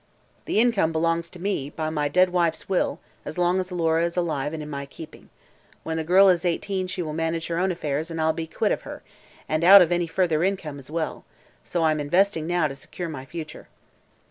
"The income belongs to me, by my dead wife's will, as long as Alora is alive and in my keeping. When the girl is eighteen she will manage her own affairs, and I'll be quit of her and out of any further income, as well. So I'm investing now to secure my future."